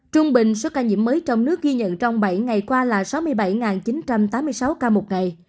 trung bình số ca nhiễm mới trong nước ghi nhận trong bảy ngày qua là sáu mươi bảy chín trăm tám mươi sáu ca một ngày